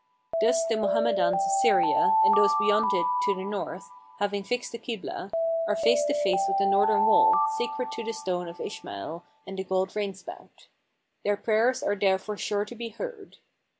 Thus the Mohammedans of Syria, and those beyond it to the north, having fixed the Kiblah, are face to face with the northern wall, sacred to the Stone of Ishmael and the gold rainspout: their prayers are there fore sure to be heard.